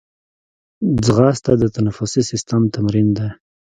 ځغاسته د تنفسي سیستم تمرین دی